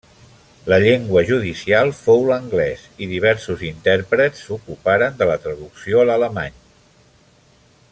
La llengua judicial fou l'anglès, i diversos intèrprets s'ocuparen de la traducció a alemany.